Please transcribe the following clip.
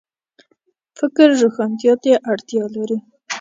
فکر روښانتیا ته اړتیا لري